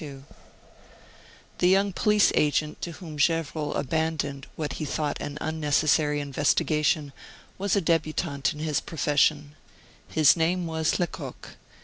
II The young police agent to whom Gevrol abandoned what he thought an unnecessary investigation was a debutant in his profession. His name was Lecoq.